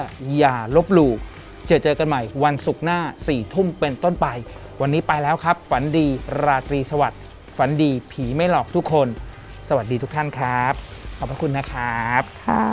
อย่าลบหลู่เจอเจอกันใหม่วันศุกร์หน้า๔ทุ่มเป็นต้นไปวันนี้ไปแล้วครับฝันดีราตรีสวัสดิ์ฝันดีผีไม่หลอกทุกคนสวัสดีทุกท่านครับขอบพระคุณนะครับ